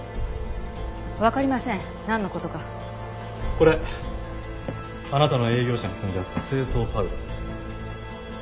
これあなたの営業車に積んであった清掃パウダーです。